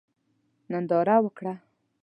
ننداره وکړه.